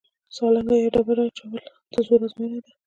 سانګه یا ډبره اچول د زور ازموینه ده.